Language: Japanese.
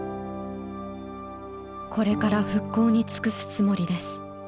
「之から復興につくすつもりです。